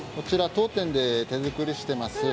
当店で手作りしてます